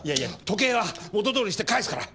時計は元どおりにして返すから。